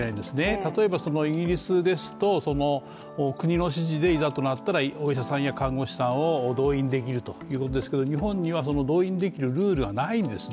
例えばイギリスですと、国の指示でいざとなったらお医者さんや看護師さんを動員できるというシステムですが日本には動員できるルールがないんでうしょね